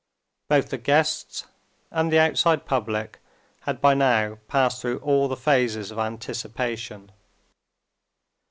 Both the guests and the outside public had by now passed through all the phases of anticipation.